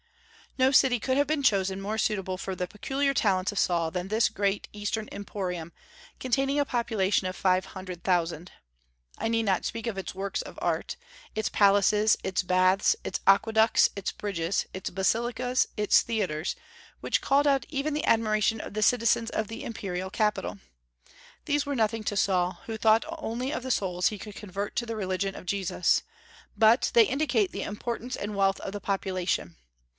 No city could have been chosen more suitable for the peculiar talents of Saul than this great Eastern emporium, containing a population of five hundred thousand. I need not speak of its works of art, its palaces, its baths, its aqueducts, its bridges, its basilicas, its theatres, which called out even the admiration of the citizens of the imperial capital. These were nothing to Saul, who thought only of the souls he could convert to the religion of Jesus; but they indicate the importance and wealth of the population.